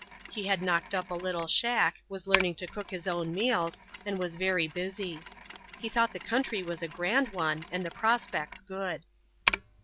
He had knocked up a little shack, was learning to cook his own meals, and was very busy. He thought the country was a grand one and the prospects good.